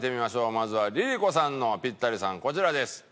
まずはＬｉＬｉＣｏさんのピッタリさんこちらです。